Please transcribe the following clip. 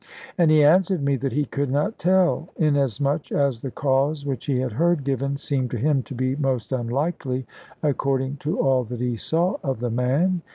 And he answered me that he could not tell, inasmuch as the cause which he had heard given seemed to him to be most unlikely, according to all that he saw of the man.